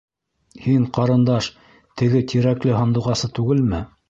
Һин, ҡарындаш, теге Тирәкле һандуғасы түгелме?